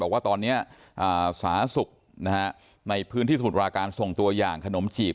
บอกว่าตอนนี้สหสุทธิ์ในพื้นที่สมุดราการส่งตัวอย่างขนมจีบ